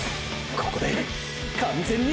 ここで完全に！！